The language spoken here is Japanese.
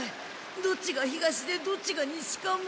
どっちが東でどっちが西かも。